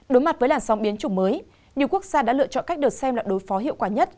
đối mặt với làn sóng biến chủng mới nhiều quốc gia đã lựa chọn cách được xem là đối phó hiệu quả nhất